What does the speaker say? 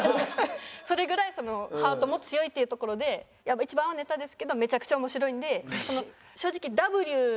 それぐらいそのハートも強いっていうところで一番はネタですけどめちゃくちゃ面白いんで。